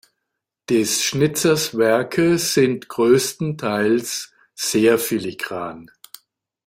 Des Schnitzers Werke sind größtenteils sehr filigran.